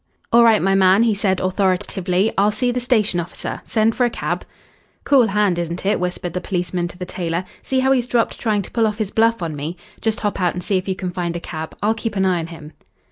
"All right, my man," he said authoritatively. "I'll see the station officer. Send for a cab." "Cool hand, isn't it?" whispered the policeman to the tailor. "See how he's dropped trying to pull off his bluff on me. Just hop out and see if you can find a cab. I'll keep an eye on him."